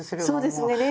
そうですね。